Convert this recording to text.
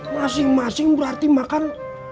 masing masing berarti makan